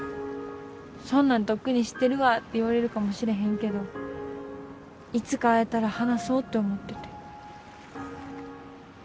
そんなんとっくに知ってるわって言われるかもしれへんけどいつか会えたら話そうって思ってて。